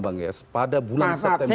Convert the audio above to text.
anies pada bulan september